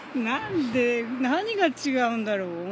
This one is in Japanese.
なんで何が違うんだろう？